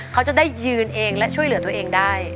เขาจะได้ยืนเองและช่วยเหลือตัวเองได้